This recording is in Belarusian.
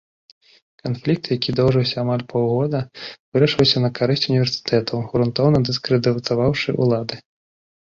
Канфлікт, які доўжыўся амаль паўгода, вырашыўся на карысць універсітэтаў, грунтоўна дыскрэдытаваўшы улады.